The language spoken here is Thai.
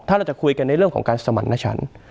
ถ้าเราจะคุยกันในเรื่องของการสมัครหน้าฉัน